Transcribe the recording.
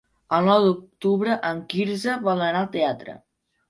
El nou d'octubre en Quirze vol anar al teatre.